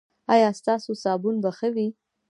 ایا ستاسو صابون به ښه وي؟